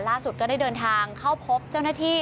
ก็ได้เดินทางเข้าพบเจ้าหน้าที่